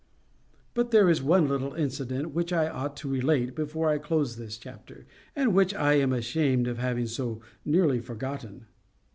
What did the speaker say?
But there is one little incident which I ought to relate before I close this chapter, and which I am ashamed of having so nearly forgotten.